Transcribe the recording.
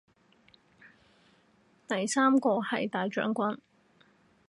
第三個係大將軍